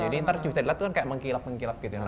jadi nanti bisa dilihat itu mengkilap mengkilap gitu